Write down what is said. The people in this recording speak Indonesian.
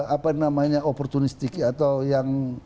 apa namanya opportunistik atau yang